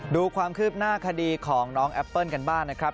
ดูความคืบหน้าคดีของน้องแอปเปิ้ลกันบ้างนะครับ